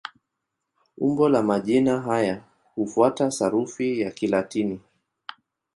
Umbo la majina haya hufuata sarufi ya Kilatini.